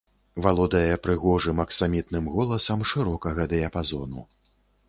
Валодае прыгожым аксамітным голасам шырокага дыяпазону.